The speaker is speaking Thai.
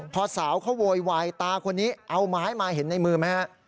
พอสาวเขาโวยวายตาคนนี้เอาไม้มาเห็นในมือไหมฮะ